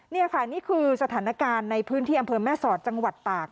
นี่ค่ะนี่คือสถานการณ์ในพื้นที่อำเภอแม่สอดจังหวัดตาก